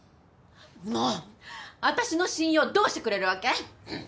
もう私の信用どうしてくれるわけ！？